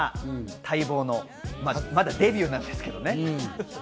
多分、今年中には待望の、まだデビューなんですけどね。